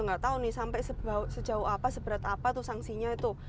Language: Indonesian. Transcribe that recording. nggak tahu nih sampai sejauh apa seberat apa tuh sanksinya itu